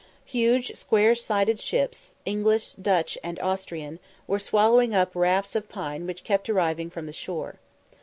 Huge square sided ships, English, Dutch, and Austrian, were swallowing up rafts of pine which kept arriving from the shore.